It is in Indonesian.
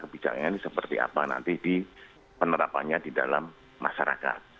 kebijakan ini seperti apa nanti di penerapannya di dalam masyarakat